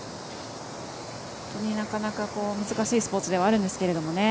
本当になかなか難しいスポーツではあるんですけどね。